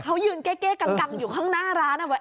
เขายืนเก้กังอยู่ข้างหน้าร้าน